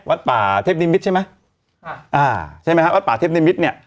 วัดป่าเทพนิมิตรใช่ไหมอ่าอ่าใช่ไหมฮะวัดป่าเทพนิมิตรเนี่ย